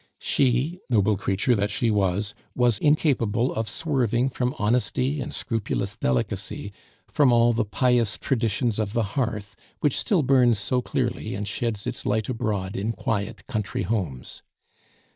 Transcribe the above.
She, noble creature that she was, was incapable of swerving from honesty and scrupulous delicacy, from all the pious traditions of the hearth, which still burns so clearly and sheds its light abroad in quiet country homes.